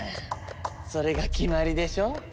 それが決まりでしょ？